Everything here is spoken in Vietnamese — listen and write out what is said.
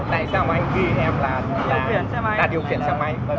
tại sao mà anh ghi em là điều khiển xe máy